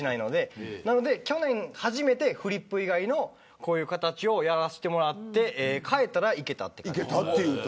去年初めてフリップ以外のこういう形をやらせてもらって変えたらいけたという感じです。